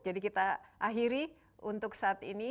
jadi kita akhiri untuk saat ini